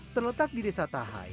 terletak di desa tahai